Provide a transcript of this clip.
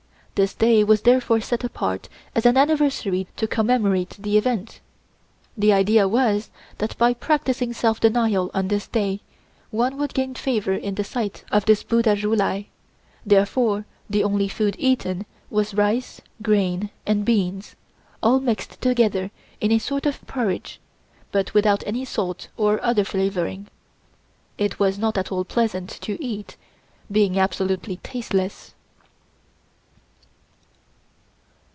This day was therefore set apart as an anniversary to commemorate the event. The idea was that by practising self denial on this day, one would gain favor in the sight of this Buddha Ju Lai, therefore the only food eaten was rice, grain and beans, all mixed together in a sort of porridge, but without any salt or other flavoring. It was not at all pleasant to eat, being absolutely tasteless.